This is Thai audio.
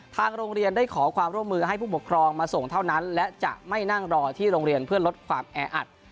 ทางโรงเรียนได้ขอความร่วมมือให้ผู้ปกครองมาส่งเท่านั้นและจะไม่นั่งรอที่โรงเรียนเพื่อลดความแออัด